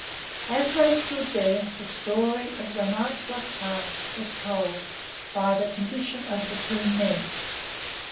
As they stood there the story of the night just passed was told by the condition of the two men.